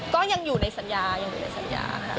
ก็ยังอยู่ในสัญญายังอยู่ในสัญญาค่ะ